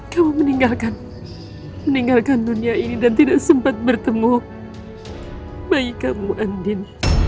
kamu meninggalkan meninggalkan dunia ini dan tidak sempat bertemu bayi kamu andin